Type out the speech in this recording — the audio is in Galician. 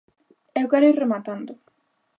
Eu quero ir rematando.